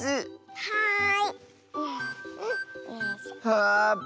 はい。